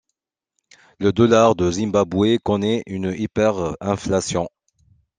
Le dollar du Zimbabwe connaît une hyperinflation.